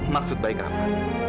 maksud baik apa